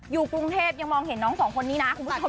อยู่กรุงเทพยังมองเห็นน้องสองคนนี้นะคุณผู้ชม